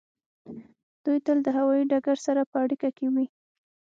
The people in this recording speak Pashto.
دوی تل د هوایی ډګر سره په اړیکه کې وي